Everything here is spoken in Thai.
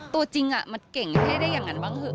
ตัวจริงมันเก่งให้ได้อย่างนั้นบ้างเถอะ